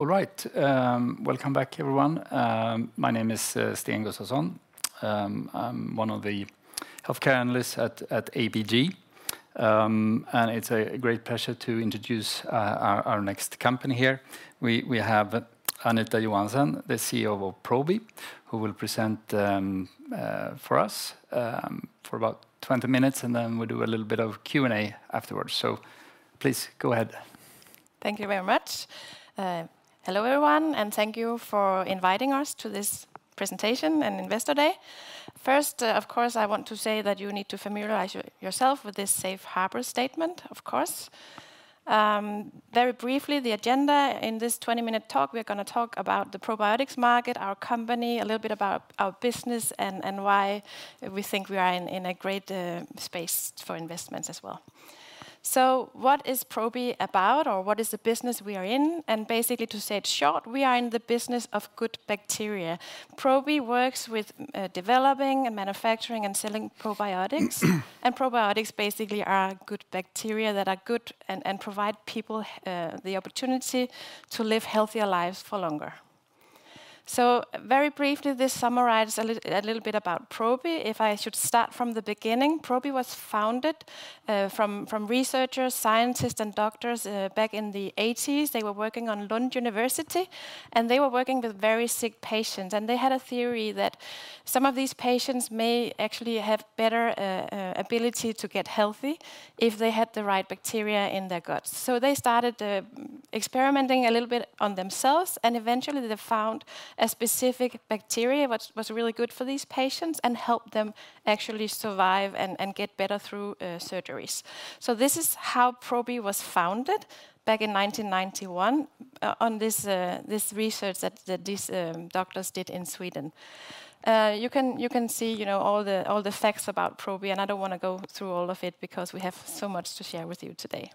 All right. Welcome back, everyone. My name is Sten Gustafsson. I'm one of the healthcare analysts at ABG. And it's a great pleasure to introduce our next company here. We have Anita Johansen, the CEO of Probi, who will present for us for about 20 minutes, and then we'll do a little bit of Q&A afterwards. So please go ahead. Thank you very much. Hello, everyone, and thank you for inviting us to this presentation and investor day. First, of course, I want to say that you need to familiarize yourself with this safe harbor statement, of course. Very briefly, the agenda in this 20-minute talk, we're gonna talk about the probiotics market, our company, a little bit about our business, and why we think we are in a great space for investments as well. So what is Probi about, or what is the business we are in? And basically, to say it short, we are in the business of good bacteria. Probi works with developing and manufacturing, and selling probiotics, and probiotics basically are good bacteria that are good and provide people the opportunity to live healthier lives for longer. So very briefly, this summarizes a little bit about Probi. If I should start from the beginning, Probi was founded from researchers, scientists, and doctors back in the 1980s. They were working on Lund University, and they were working with very sick patients, and they had a theory that some of these patients may actually have better ability to get healthy if they had the right bacteria in their guts. So they started experimenting a little bit on themselves, and eventually, they found a specific bacteria, which was really good for these patients and helped them actually survive and get better through surgeries. So this is how Probi was founded back in 1991 on this research that these doctors did in Sweden. You can see, you know, all the facts about Probi, and I don't want to go through all of it because we have so much to share with you today.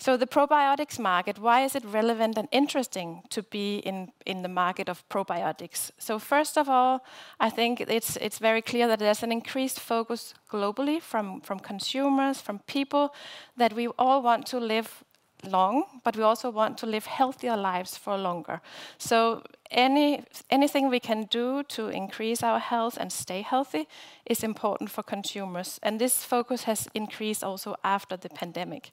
So the probiotics market, why is it relevant and interesting to be in the market of probiotics? So first of all, I think it's very clear that there's an increased focus globally from consumers, from people, that we all want to live long, but we also want to live healthier lives for longer. So anything we can do to increase our health and stay healthy is important for consumers, and this focus has increased also after the pandemic.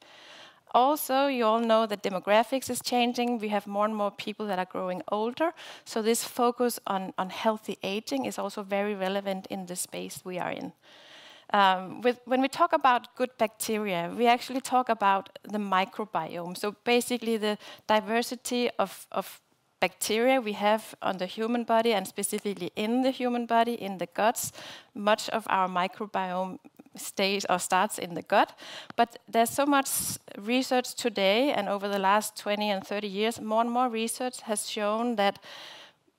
Also, you all know the demographics is changing. We have more and more people that are growing older, so this focus on healthy aging is also very relevant in the space we are in. When we talk about good bacteria, we actually talk about the microbiome, so basically the diversity of bacteria we have on the human body and specifically in the human body, in the guts. Much of our microbiome stays or starts in the gut. But there's so much research today, and over the last 20 and 30 years, more and more research has shown that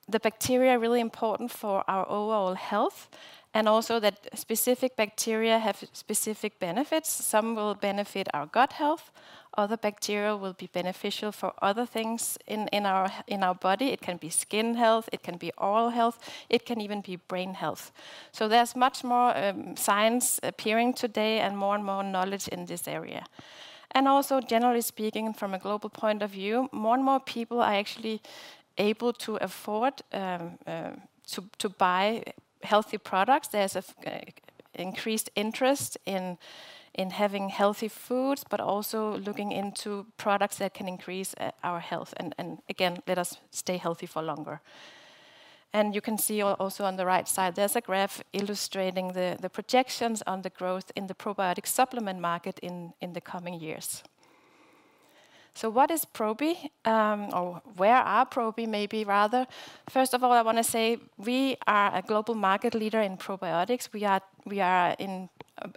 the bacteria are really important for our overall health, and also that specific bacteria have specific benefits. Some will benefit our gut health, other bacteria will be beneficial for other things in our body. It can be skin health, it can be oral health, it can even be brain health. So there's much more science appearing today and more and more knowledge in this area. And also, generally speaking, from a global point of view, more and more people are actually able to afford to buy healthy products. There's an increased interest in having healthy foods, but also looking into products that can increase our health, and again, let us stay healthy for longer. And you can see also on the right side, there's a graph illustrating the projections on the growth in the probiotic supplement market in the coming years. So what is Probi? Or where are Probi, maybe rather? First of all, I want to say we are a global market leader in probiotics. We are in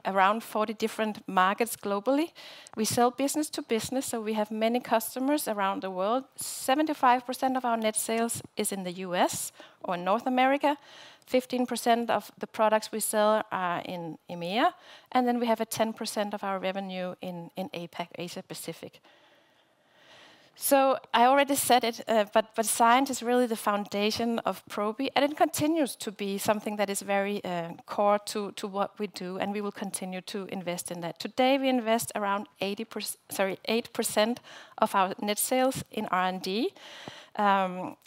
around 40 different markets globally. We sell business to business, so we have many customers around the world. 75% of our net sales is in the U.S. or North America. 15% of the products we sell are in EMEA, and then we have a 10% of our revenue in APAC, Asia Pacific. So I already said it, but science is really the foundation of Probi, and it continues to be something that is very core to what we do, and we will continue to invest in that. Today, we invest around 8% of our net sales in R&D.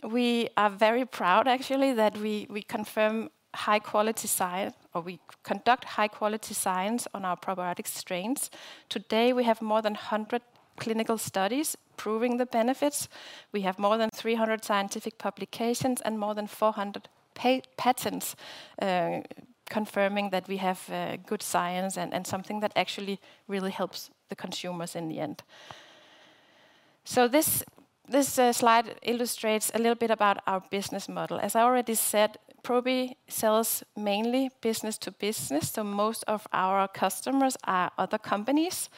We are very proud actually, that we confirm high-quality science, or we conduct high-quality science on our probiotic strains. Today, we have more than 100 clinical studies proving the benefits. We have more than 300 scientific publications and more than 400 patents, confirming that we have good science and something that actually really helps the consumers in the end. So this slide illustrates a little bit about our business model. As I already said, Probi sells mainly business to business, so most of our customers are other companies.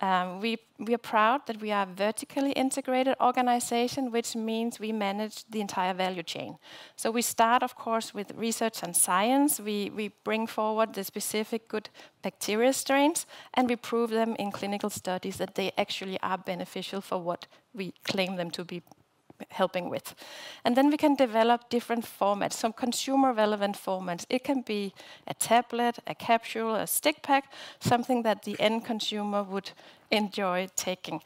We are proud that we are a vertically integrated organization, which means we manage the entire value chain. So we start, of course, with research and science. We bring forward the specific good bacteria strains, and we prove them in clinical studies that they actually are beneficial for what we claim them to be, helping with. And then we can develop different formats, some consumer-relevant formats. It can be a tablet, a capsule, a stick pack, something that the end consumer would enjoy taking.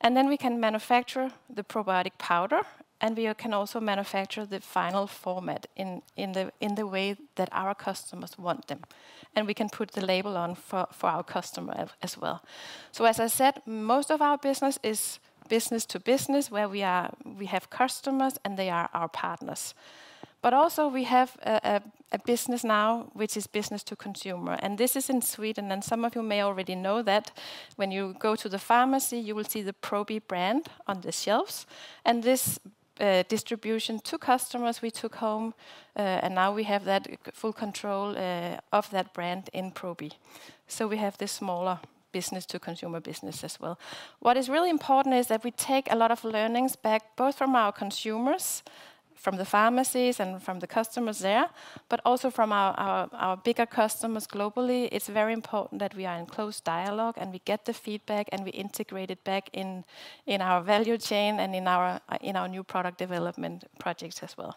And then we can manufacture the probiotic powder, and we can also manufacture the final format in the way that our customers want them, and we can put the label on for our customer as well. So as I said, most of our business is business to business, where we have customers, and they are our partners. But also we have a business now, which is business to consumer, and this is in Sweden, and some of you may already know that when you go to the pharmacy, you will see the Probi brand on the shelves, and this distribution to customers we took home, and now we have that full control of that brand in Probi. So we have this smaller business to consumer business as well. What is really important is that we take a lot of learnings back, both from our consumers, from the pharmacies and from the customers there, but also from our bigger customers globally. It's very important that we are in close dialogue, and we get the feedback, and we integrate it back in our value chain and in our new product development projects as well.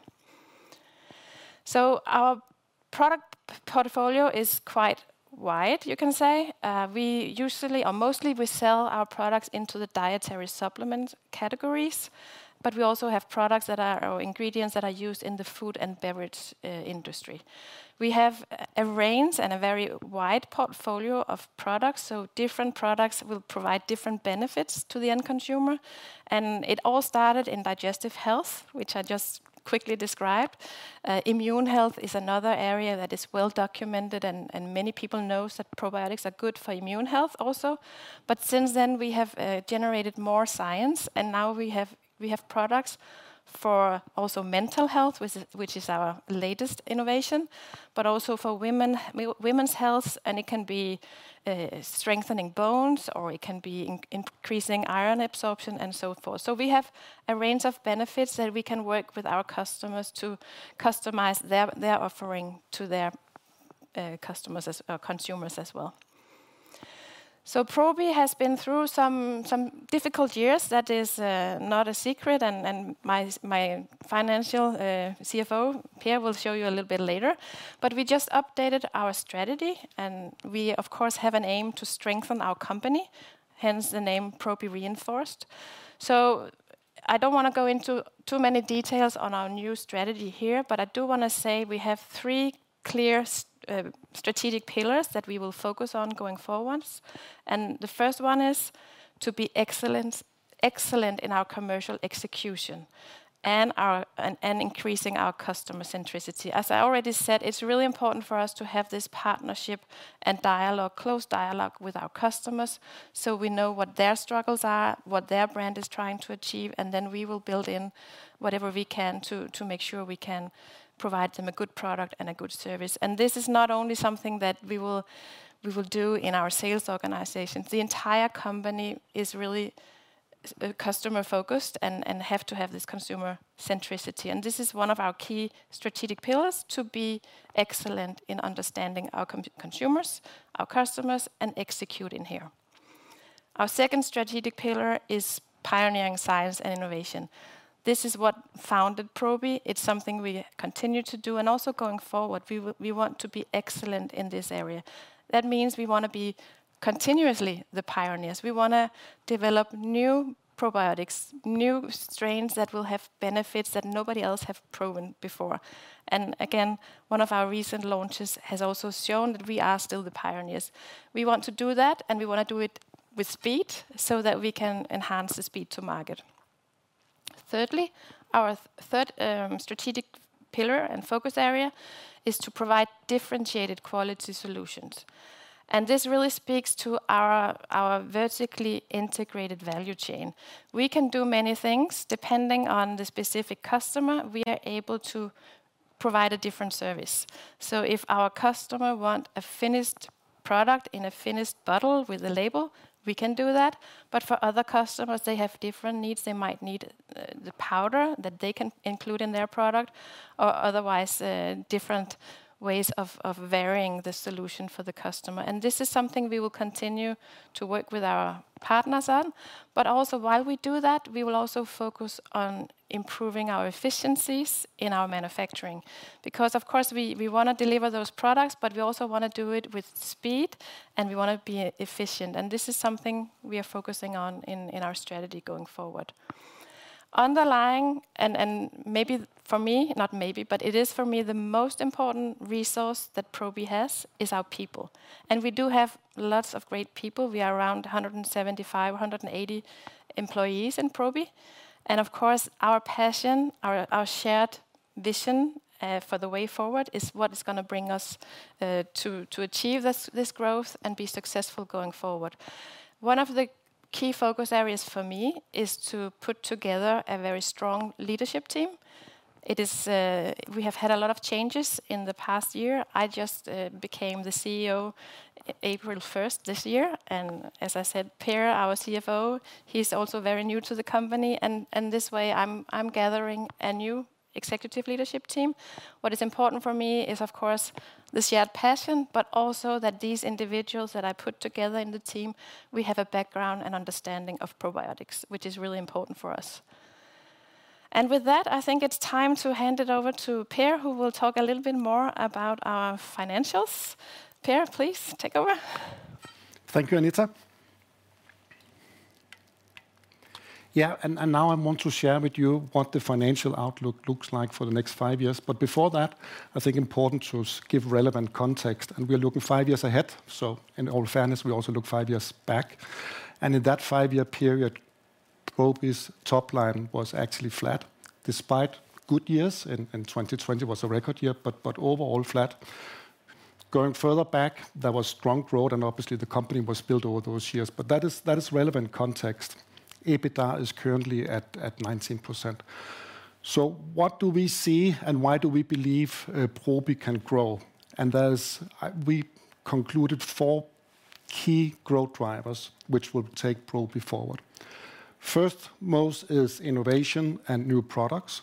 So our product portfolio is quite wide, you can say. We usually or mostly we sell our products into the dietary supplement categories, but we also have products that are, or ingredients that are used in the food and beverage industry. We have a range and a very wide portfolio of products, so different products will provide different benefits to the end consumer. It all started in digestive health, which I just quickly described. Immune health is another area that is well documented, and many people know that probiotics are good for immune health also. But since then, we have generated more science, and now we have products for also mental health, which is our latest innovation, but also for women's health. It can be strengthening bones, or it can be increasing iron absorption, and so forth. So we have a range of benefits that we can work with our customers to customize their offering to their customers, as consumers as well. So Probi has been through some difficult years. That is not a secret, and my financial CFO, Per, will show you a little bit later. But we just updated our strategy, and we, of course, have an aim to strengthen our company, hence the name Probi Reinforced. So I don't wanna go into too many details on our new strategy here, but I do wanna say we have three clear strategic pillars that we will focus on going forwards. And the first one is to be excellence, excellent in our commercial execution and our... and, and increasing our customer centricity. As I already said, it's really important for us to have this partnership and dialogue, close dialogue with our customers, so we know what their struggles are, what their brand is trying to achieve, and then we will build in whatever we can to, to make sure we can provide them a good product and a good service. This is not only something that we will, we will do in our sales organizations. The entire company is really, customer focused and have to have this consumer centricity, and this is one of our key strategic pillars, to be excellent in understanding our consumers, our customers, and executing here. Our second strategic pillar is pioneering science and innovation. This is what founded Probi. It's something we continue to do, and also going forward, we want to be excellent in this area. That means we wanna be continuously the pioneers. We wanna develop new probiotics, new strains that will have benefits that nobody else have proven before. And again, one of our recent launches has also shown that we are still the pioneers. We want to do that, and we wanna do it with speed so that we can enhance the speed to market. Thirdly, our third strategic pillar and focus area is to provide differentiated quality solutions, and this really speaks to our vertically integrated value chain. We can do many things. Depending on the specific customer, we are able to provide a different service. So if our customer want a finished product in a finished bottle with a label, we can do that. But for other customers, they have different needs. They might need the powder that they can include in their product or otherwise different ways of varying the solution for the customer. And this is something we will continue to work with our partners on. But also, while we do that, we will also focus on improving our efficiencies in our manufacturing, because, of course, we, we wanna deliver those products, but we also wanna do it with speed, and we wanna be efficient, and this is something we are focusing on in, in our strategy going forward. Underlying, and, and maybe for me, not maybe, but it is for me, the most important resource that Probi has is our people, and we do have lots of great people. We are around 175-180 employees in Probi. And of course, our passion, our, our shared vision, for the way forward, is what is gonna bring us, to, to achieve this, this growth and be successful going forward. One of the key focus areas for me is to put together a very strong leadership team. It is... We have had a lot of changes in the past year. I just became the CEO April first this year, and as I said, Per, our CFO, he's also very new to the company, and this way, I'm gathering a new executive leadership team. What is important for me is, of course, the shared passion, but also that these individuals that I put together in the team, we have a background and understanding of probiotics, which is really important for us. With that, I think it's time to hand it over to Per, who will talk a little bit more about our financials. Per, please take over. Thank you, Anita. Yeah, and, and now I want to share with you what the financial outlook looks like for the next five years. But before that, I think important to give relevant context, and we are looking five years ahead, so in all fairness, we also look five years back. And in that five-year period, Probi's top line was actually flat, despite good years, and, and 2020 was a record year, but, but overall flat. Going further back, there was strong growth, and obviously the company was built over those years, but that is, that is relevant context. EBITDA is currently at, at 19%. So what do we see, and why do we believe Probi can grow? And there's, we concluded four key growth drivers which will take Probi forward. First most is innovation and new products.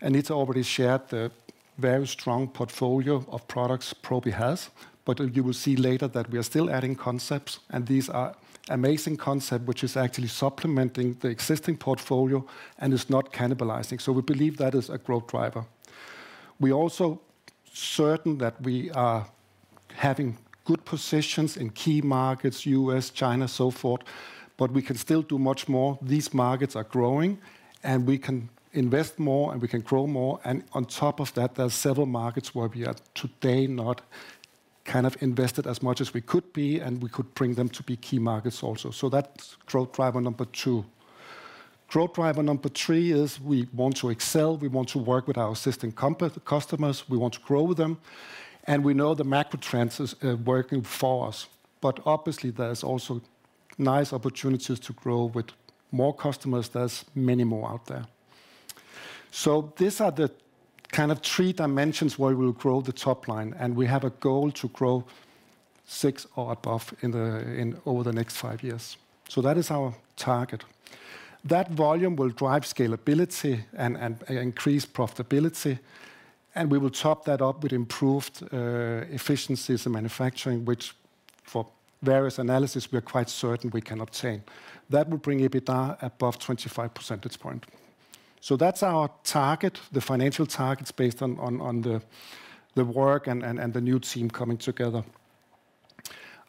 Anita already shared the very strong portfolio of products Probi has, but you will see later that we are still adding concepts, and these are amazing concepts, which is actually supplementing the existing portfolio and is not cannibalizing. So we believe that is a growth driver. We are also certain that we are having good positions in key markets, U.S., China, so forth, but we can still do much more. These markets are growing, and we can invest more, and we can grow more, and on top of that, there are several markets where we are today not kind of invested as much as we could be, and we could bring them to be key markets also. So that's growth driver number two. Growth driver number three is we want to excel, we want to work with our existing customers, we want to grow with them, and we know the macro trends is working for us. But obviously, there's also nice opportunities to grow with more customers. There's many more out there. So these are the kind of three dimensions where we'll grow the top line, and we have a goal to grow 6 or above in over the next five years. So that is our target. That volume will drive scalability and increase profitability, and we will top that up with improved efficiencies in manufacturing, which for various analysis, we are quite certain we can obtain. That will bring EBITDA above 25 percentage point. So that's our target, the financial targets based on the work and the new team coming together.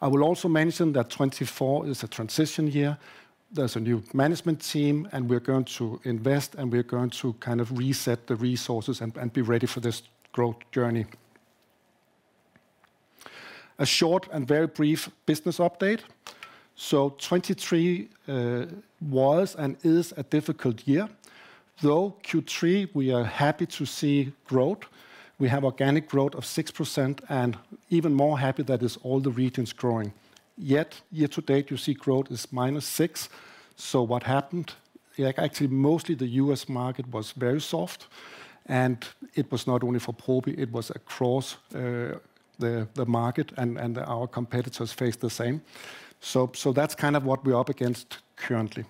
I will also mention that 2024 is a transition year. There's a new management team, and we're going to invest, and we're going to kind of reset the resources and be ready for this growth journey. A short and very brief business update. So 2023 was and is a difficult year, though Q3, we are happy to see growth. We have organic growth of 6%, and even more happy that is all the regions growing. Yet, year to date, you see growth is -6%, so what happened? Yeah, actually, mostly the U.S. market was very soft, and it was not only for Probi, it was across the market, and our competitors faced the same. So that's kind of what we're up against currently.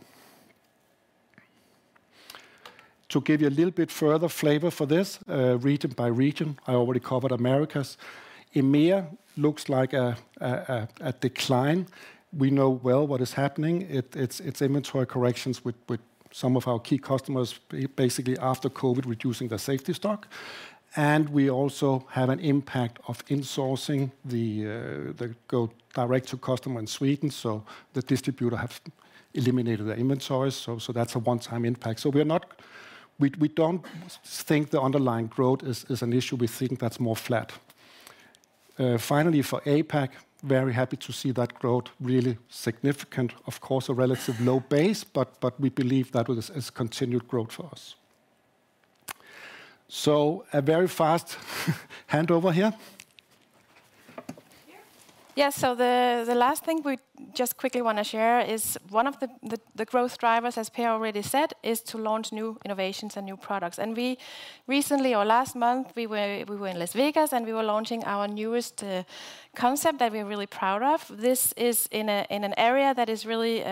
To give you a little bit further flavor for this, region by region, I already covered Americas. EMEA looks like a decline. We know well what is happening. It's inventory corrections with some of our key customers, basically after COVID, reducing their safety stock. And we also have an impact of insourcing the go direct to customer in Sweden, so the distributor have eliminated the inventory. So that's a one-time impact. We don't think the underlying growth is an issue. We think that's more flat. Finally, for APAC, very happy to see that growth, really significant. Of course, a relative low base, but we believe that is continued growth for us. So a very fast handover here. Here? Yeah, so the last thing we just quickly wanna share is one of the growth drivers, as Per already said, is to launch new innovations and new products. And we recently or last month we were in Las Vegas, and we were launching our newest concept that we're really proud of. This is in an area that is really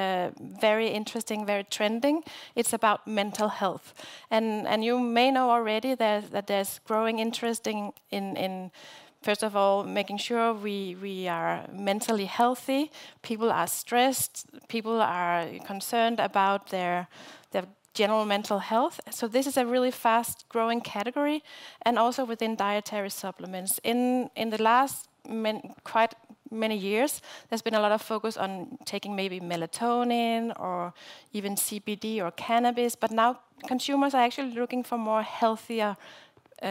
very interesting, very trending. It's about mental health. And you may know already there that there's growing interest in first of all making sure we are mentally healthy. People are stressed, people are concerned about their general mental health. So this is a really fast-growing category and also within dietary supplements. In the last many, quite many years, there's been a lot of focus on taking maybe melatonin or even CBD or cannabis, but now consumers are actually looking for more healthier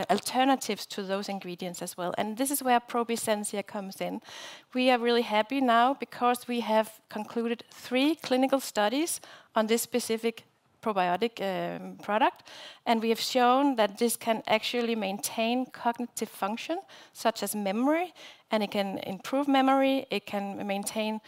alternatives to those ingredients as well, and this is where Probi Sensia comes in. We are really happy now because we have concluded three clinical studies on this specific probiotic product, and we have shown that this can actually maintain cognitive function, such as memory, and it can improve memory, it can maintain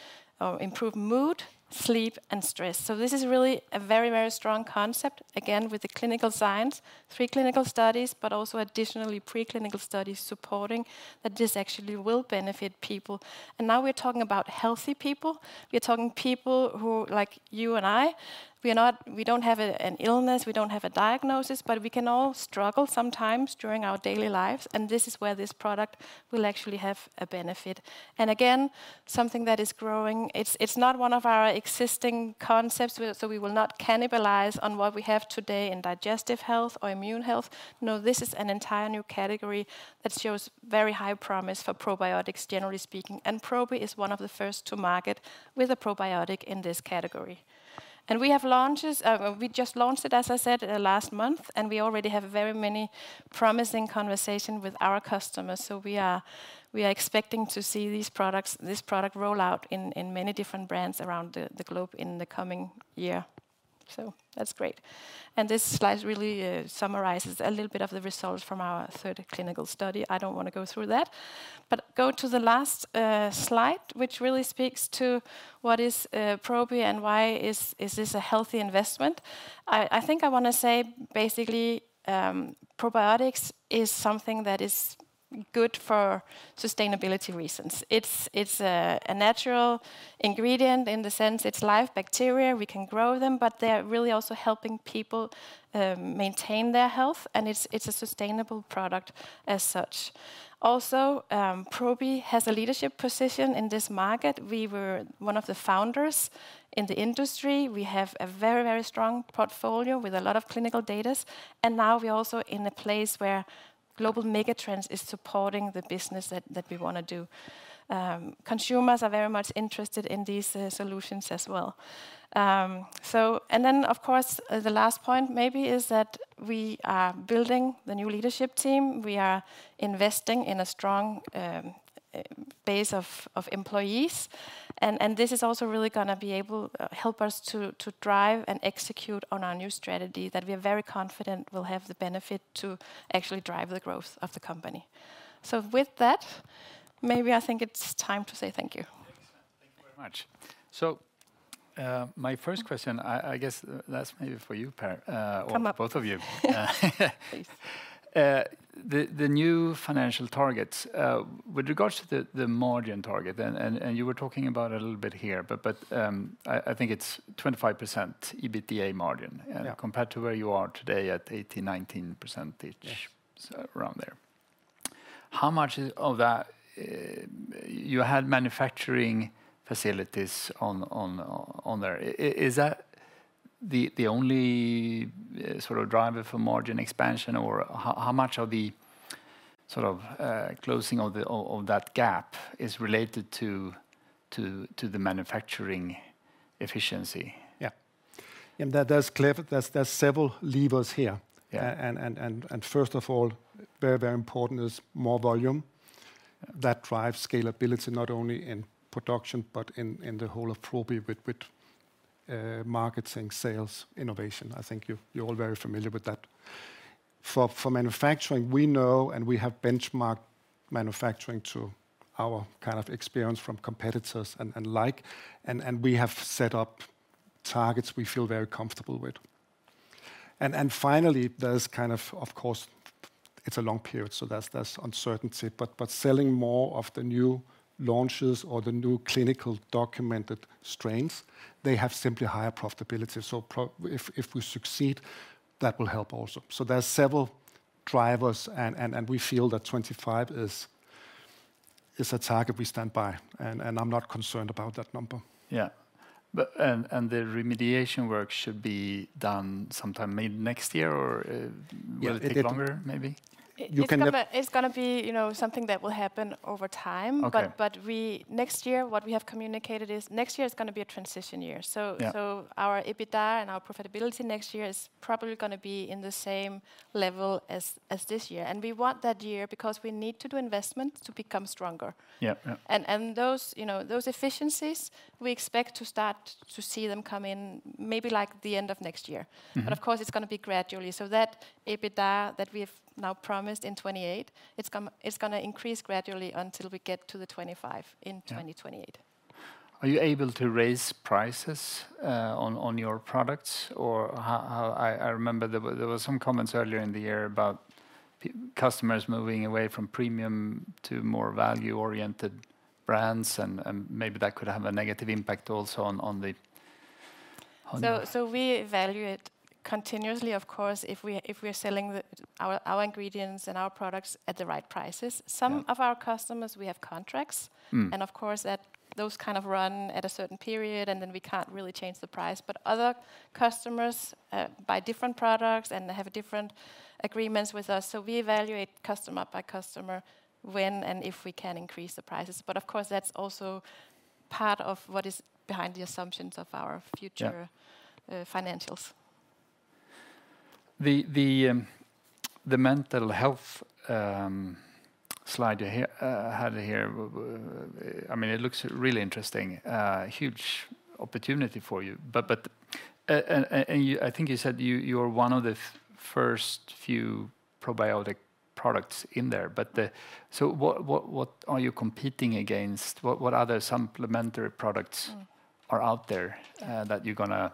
or improve mood, sleep, and stress. So this is really a very, very strong concept. Again, with the clinical science, three clinical studies, but also additionally preclinical studies supporting that this actually will benefit people. And now we're talking about healthy people. We are talking people who, like you and I, we don't have a, an illness, we don't have a diagnosis, but we can all struggle sometimes during our daily lives, and this is where this product will actually have a benefit. And again, something that is growing, it's not one of our existing concepts, so we will not cannibalize on what we have today in digestive health or immune health. No, this is an entire new category that shows very high promise for probiotics, generally speaking, and Probi is one of the first to market with a probiotic in this category. And we have launches, we just launched it, as I said, last month, and we already have very many promising conversations with our customers. So we are expecting to see these products, this product roll out in many different brands around the globe in the coming year. So that's great. And this slide really summarizes a little bit of the results from our third clinical study. I don't want to go through that, but go to the last slide, which really speaks to what is Probi and why is this a healthy investment? I think I want to say basically, probiotics is something that is good for sustainability reasons. It's a natural ingredient in the sense it's live bacteria, we can grow them, but they're really also helping people maintain their health, and it's a sustainable product as such. Also, Probi has a leadership position in this market. We were one of the founders in the industry. We have a very, very strong portfolio with a lot of clinical data, and now we're also in a place where global mega trends is supporting the business that we want to do. Consumers are very much interested in these solutions as well. So, then, of course, the last point maybe is that we are building the new leadership team. We are investing in a strong base of employees, and this is also really going to be able help us to drive and execute on our new strategy that we are very confident will have the benefit to actually drive the growth of the company. So with that, maybe I think it's time to say thank you. Thank you. Thank you very much. So, my first question, I, I guess that's maybe for you, Per, Come up... or both of you. Please. The new financial targets with regards to the margin target, and you were talking about it a little bit here, but I think it's 25% EBITDA margin- Yeah... and compared to where you are today at 18%-19%- Yes... so around there. How much of that you had manufacturing facilities on there. Is that the only sort of driver for margin expansion, or how much of the sort of closing of that gap is related to the manufacturing efficiency? Yeah. And that, there's clear, several levers here. Yeah. First of all, very, very important is more volume. That drives scalability, not only in production, but in the whole of Probi with marketing, sales, innovation. I think you, you're all very familiar with that. For manufacturing, we know, and we have benchmarked manufacturing to our kind of experience from competitors and like we have set up targets we feel very comfortable with. And finally, there's kind of. Of course, it's a long period, so there's uncertainty, but selling more of the new launches or the new clinical documented strains, they have simply higher profitability. So if we succeed, that will help also. So there are several drivers, and we feel that 25 is a target we stand by, and I'm not concerned about that number. Yeah. But the remediation work should be done sometime, maybe next year, or Yeah, it will take longer, maybe? It- You can-... It's gonna be, you know, something that will happen over time. Okay. But next year, what we have communicated is next year is gonna be a transition year. Yeah. So, our EBITDA and our profitability next year is probably gonna be in the same level as this year. We want that year because we need to do investment to become stronger. Yeah. Yeah. Those, you know, those efficiencies, we expect to start to see them come in maybe like the end of next year. Mm-hmm. But of course, it's gonna be gradually. So that EBITDA that we've now promised in 2028, it's gonna increase gradually until we get to the 2025- Yeah... in 2028. Are you able to raise prices on your products? Or how... I remember there were some comments earlier in the year about customers moving away from premium to more value-oriented brands, and maybe that could have a negative impact also on the, on the- So we evaluate continuously, of course, if we're selling our ingredients and our products at the right prices. Yeah. Some of our customers, we have contracts. Mm. And of course, that, those kind of run at a certain period, and then we can't really change the price. But other customers buy different products, and they have different agreements with us. So we evaluate customer by customer, when and if we can increase the prices. But of course, that's also part of what is behind the assumptions of our future- Yeah... financials. The mental health slide you had here, I mean, it looks really interesting, huge opportunity for you. But and you, I think you said you're one of the first few probiotic products in there, but the... So what are you competing against? What other supplementary products are out there that you're gonna?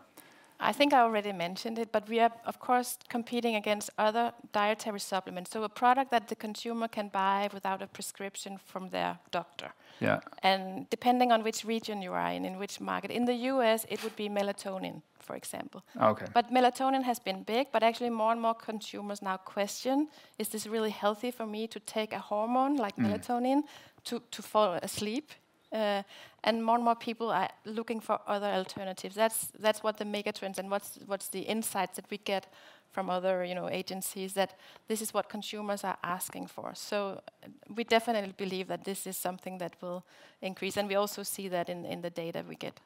I think I already mentioned it, but we are, of course, competing against other dietary supplements. So a product that the consumer can buy without a prescription from their doctor. Yeah. Depending on which region you are in, in which market, in the U.S., it would be melatonin, for example. Okay. But melatonin has been big, but actually more and more consumers now question: Is this really healthy for me to take a hormone- Mm like melatonin to fall asleep? And more and more people are looking for other alternatives. That's what the mega trends and what's the insights that we get from other, you know, agencies, that this is what consumers are asking for. So we definitely believe that this is something that will increase, and we also see that in the data we get.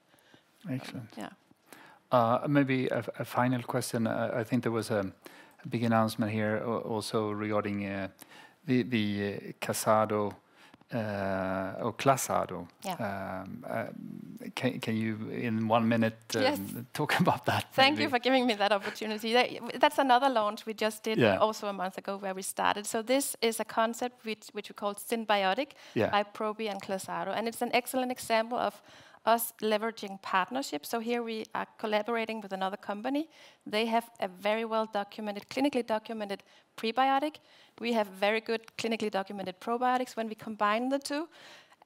Excellent. Yeah. Maybe a final question. I think there was a big announcement here also regarding the Clasado. Yeah. Can you in one minute- Yes... talk about that? Thank you for giving me that opportunity. That's another launch we just did- Yeah... also a month ago, where we started. So this is a concept which we call synbiotic- Yeah... by Probi and Clasado, and it's an excellent example of us leveraging partnerships. So here we are collaborating with another company. They have a very well-documented, clinically documented prebiotic. We have very good clinically documented probiotics. When we combine the two,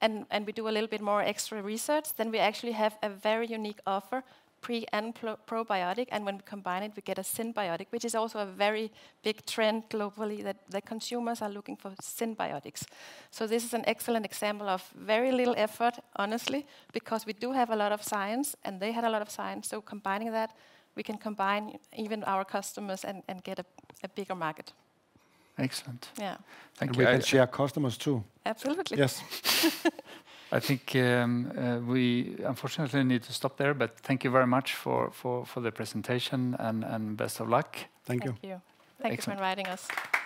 and, and we do a little bit more extra research, then we actually have a very unique offer, pre and pro- probiotic, and when we combine it, we get a synbiotic, which is also a very big trend globally, that the consumers are looking for synbiotics. So this is an excellent example of very little effort, honestly, because we do have a lot of science, and they had a lot of science, so combining that, we can combine even our customers and, and get a, a bigger market. Excellent. Yeah. Thank you. We can share customers, too. Absolutely. Yes. I think we unfortunately need to stop there, but thank you very much for the presentation, and best of luck. Thank you. Thank you. Excellent. Thank you for inviting us.